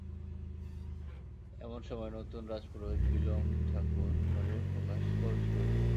এমন সময়ে নূতন রাজ-পুরোহিত বিল্বন ঠাকুর ঘরে প্রবেশ করিলেন।